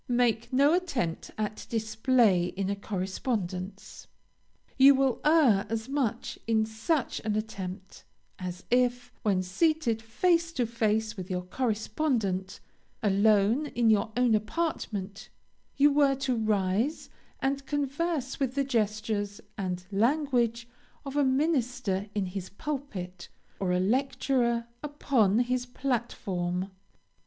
Make no attempt at display in a correspondence. You will err as much in such an attempt, as if, when seated face to face with your correspondent, alone in your own apartment, you were to rise and converse with the gestures and language of a minister in his pulpit, or a lecturer upon his platform.